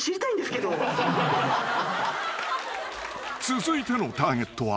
［続いてのターゲットは］